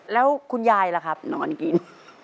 ตัวเลือกที่สอง๘คน